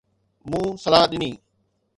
مون صلاح ڏني